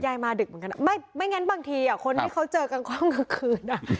ยายมาดึกเหมือนกันไม่งั้นบางทีคนที่เขาเจอกลางคืน